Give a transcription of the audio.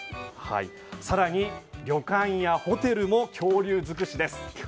更に、旅館やホテルも恐竜尽くしです。